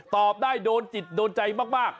ตอบได้โดนจิตโดนใจมาก